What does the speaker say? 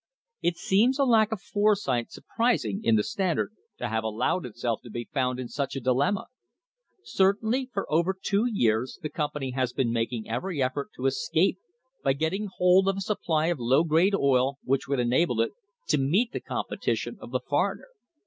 It seems a lack of foresight surprising in the Standard to have allowed itself to be found in such a dilemma. Certainly, for over two years the company has been making every effort to escape by getting hold of a supply of low grade oil which would ena ble it to meet the competition of the foreigner.